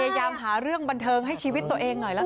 พยายามหาเรื่องบันเทิงให้ชีวิตตัวเองหน่อยละกัน